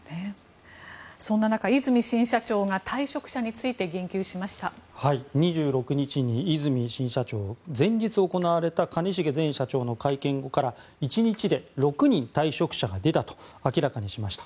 そんな中、和泉新社長が退職者について２６日に和泉新社長は前日行われた兼重前社長の会見から１日で６人退職者が出たと明らかにしました。